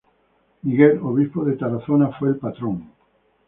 Miguel, obispo de Tarazona fue el patrón.